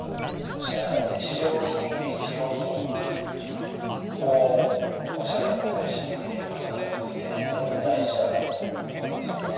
そして日常品日用品をおしゃれに楽しむっていう感覚って非常に大事だなと思うんですよね。